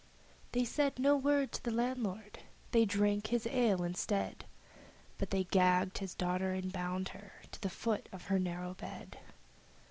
They said no word to the landlord; they drank his ale instead, But they gagged his daughter and bound her to the foot of her narrow bed.